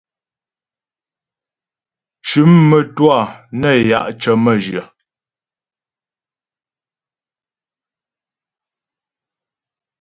Tʉ̌m mə́twâ nə́ ya' cə̀ mə́jyə.